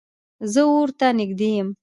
زه اور ته نږدې یم